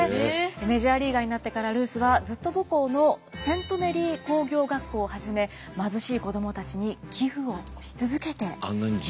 メジャーリーガーになってからルースはずっと母校のセント・メリー工業学校をはじめ貧しい子どもたちに寄附をし続けていました。